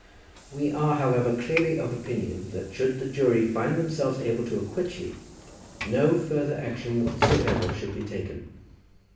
We are, however, clearly of opinion that should the jury find themselves able to acquit you, no further action whatsoever should be taken.